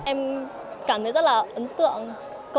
em cảm thấy rất là ấn tượng